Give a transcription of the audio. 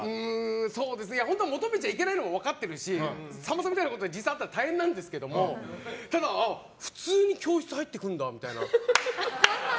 本当は求めちゃいけないのも分かってるしさんまさんみたいなのが実際あったら大変なんですけどただ、普通に教室に入ってくるんだみたいな。